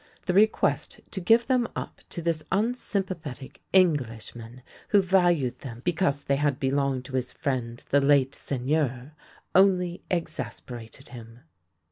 The request to give them up to this unsympa thetic Englishman, who valued them because they had belonged to his friend the late Seigneur, only exas perated him.